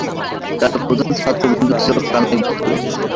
তার প্রধান ছাত্রবন্ধু ছিল কানাই গুপ্ত।